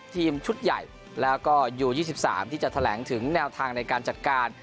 ทีมชุดใหญ่แล้วก็ยู๒๓ที่จะแถลงถึงแนวทางในการจัดการ